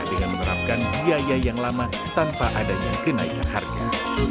dengan menerapkan biaya yang lama tanpa adanya kenaikan harga